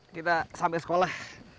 kita sampai sekolah